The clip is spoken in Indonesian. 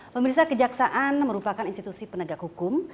pemirsa kejaksaan merupakan institusi penegak hukum